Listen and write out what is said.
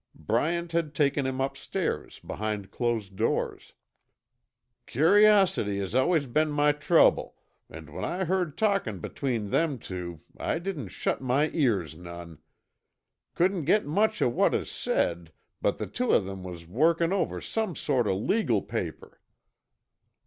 Bryant had taken him upstairs, behind closed doors. "Curiosity has allus been my trouble, an' when I heard talkin' between them two, I didn't shut my ears none. Couldn't git much o' what uz said, but the two of 'em was workin' over some sort o' legal paper."